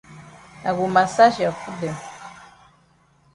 I go massage ya foot dem.